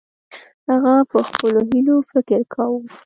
هغه په خپلو هیلو فکر کاوه.